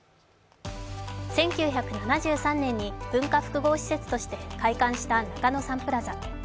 １９７３年に文化複合施設として開館した中野サンプラザ。